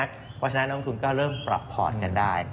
เพราะฉะนั้นลงทุนก็เริ่มปรับพอร์ตกันได้